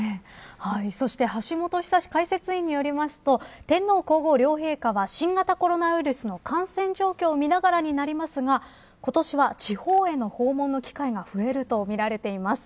橋本寿史解説委員によりますと天皇皇后両陛下は新型コロナウイルスの感染状況を見ながらになりますが今年は地方への訪問の機会が増えるとみられています。